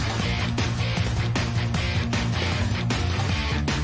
เหยื่อเข้าไปเดินเข้าไปเดินเข้าไป